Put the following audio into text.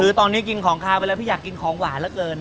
คือตอนนี้กินของขาวไปแล้วพี่อยากกินของหวานเหลือเกิน